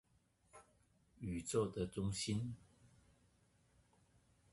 宇宙的中心